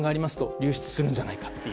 流出するんじゃないかという。